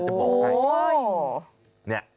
จะบอกให้